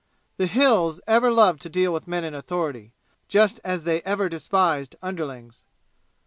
The "Hills" ever loved to deal with men in authority, just as they ever despised underlings.